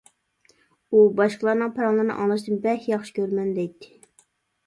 ئۇ، «باشقىلارنىڭ پاراڭلىرىنى ئاڭلاشنى بەك ياخشى كۆرىمەن» دەيتتى.